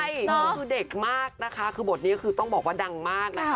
ใช่ก็คือเด็กมากนะคะคือบทนี้ก็คือต้องบอกว่าดังมากนะคะ